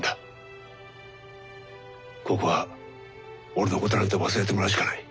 ここは俺のことなんて忘れてもらうしかない。